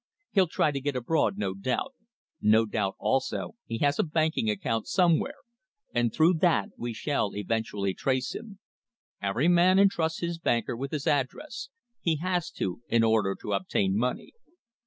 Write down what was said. He'll try to get abroad, no doubt. No doubt, also, he has a banking account somewhere, and through that we shall eventually trace him. Every man entrusts his banker with his address. He has to, in order to obtain money."